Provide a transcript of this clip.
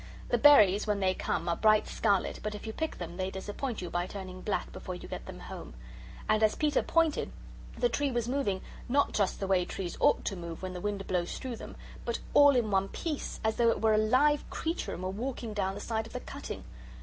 The berries, when they come, are bright scarlet, but if you pick them, they disappoint you by turning black before you get them home. And, as Peter pointed, the tree was moving not just the way trees ought to move when the wind blows through them, but all in one piece, as though it were a live creature and were walking down the side of the cutting.